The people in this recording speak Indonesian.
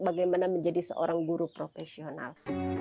bagaimana menjadi seorang guru profesional